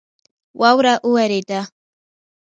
واوره اوورېده